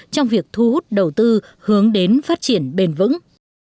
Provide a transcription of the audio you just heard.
trong việc thu hút đầu tư hướng đến phát triển bền vững